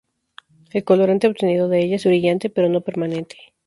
El colorante obtenido de ella es brillante, pero no permanente.